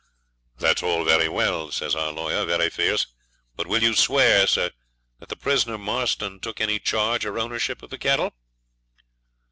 'That's all very well,' says our lawyer, very fierce; 'but will you swear, sir, that the prisoner Marston took any charge or ownership of the cattle?'